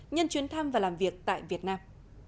nhân chuyến thăm và làm việc tại việt nam